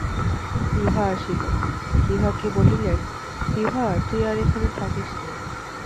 বিভা আসিল, বিভাকে বলিলেন, বিভা, তুই আর এখানে থাকিস নে।